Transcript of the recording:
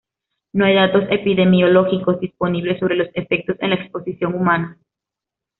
No hay datos epidemiológicos disponibles sobre los efectos en la exposición humana.